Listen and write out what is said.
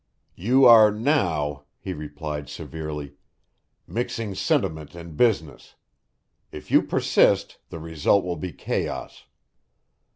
"You are now," he replied severely, "mixing sentiment and business; if you persist, the result will be chaos.